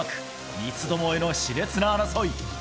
三つどもえのしれつな争い。